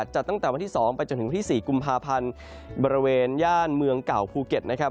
จัดตั้งแต่วันที่๒ไปจนถึงวันที่๔กุมภาพันธ์บริเวณย่านเมืองเก่าภูเก็ตนะครับ